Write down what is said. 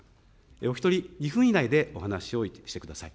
お１人２分以内でお話をしてください。